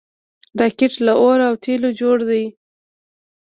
راکټ له اور او تیلو جوړ دی